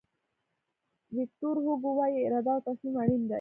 ویکتور هوګو وایي اراده او تصمیم اړین دي.